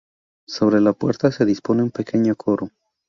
Sobre la puerta se dispone un pequeño coro.